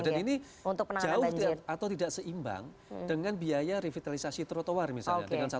dan ini jauh atau tidak seimbang dengan biaya revitalisasi trotoar misalnya